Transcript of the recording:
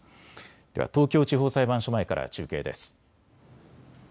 では東京地方裁判所前から中継です。